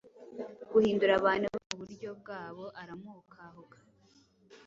guhindura abantu be muburyo bwabo, aramuhukahuka.